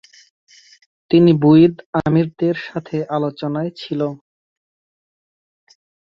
তিনি বুয়িদ আমিরদের সাথে আলোচনায় ছিল।